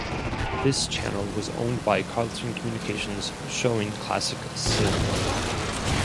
This channel was owned by Carlton Communications showing classic cinema.